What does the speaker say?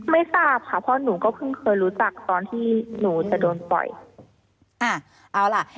ไม่ทราบค่ะเพราะหนูก็เพิ่งเคยรู้จักตอนที่หนูจะโดนปล่อยอ่าเอาล่ะ